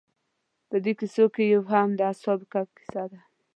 په دې کیسو کې یو هم د اصحاب کهف کیسه ده.